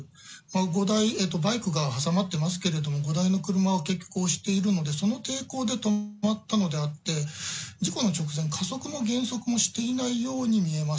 ５台、バイクが挟まってますけど、５台の車を結局押しているので、その抵抗で止まったのであって、事故の直前、加速も減速もしていないように見えます。